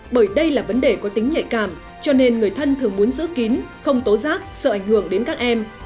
bởi đây là vấn đề có tính nhạy cảm cho nên người thân thường muốn giữ kín không tố giác sợ ảnh hưởng đến các em